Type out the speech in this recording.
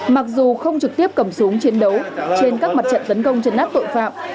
mặc dù không trực tiếp cầm súng chiến đấu trên các mặt trận tấn công trần nát tội phạm